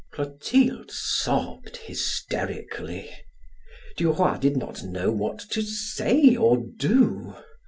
Clotilde sobbed hysterically. Duroy did not know what to say or do.